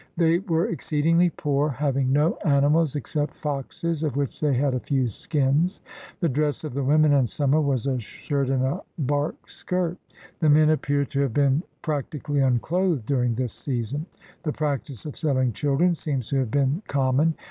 They were "exceedingly poor, having no animals except foxes of which they had a few skins. The dress of the women in summer was a shirt and a bark skirt. The men appear to have been practically unclothed during this season. The practice of selling children seems to have been common.